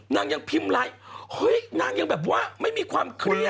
นางยังพิมพ์ไลน์เฮ้ยนางยังแบบว่าไม่มีความเครียด